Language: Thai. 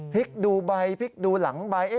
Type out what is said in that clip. พริกดูใบพริกดูหลังใบ